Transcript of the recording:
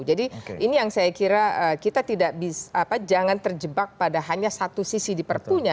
jadi ini yang saya kira kita tidak bisa jangan terjebak pada hanya satu sisi di perpunya